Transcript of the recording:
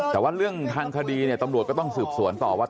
แต่ว่าเรื่องทางคดีเนี่ยตำรวจก็ต้องสืบสวนต่อว่า